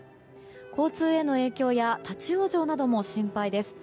交通への影響や立ち往生なども心配です。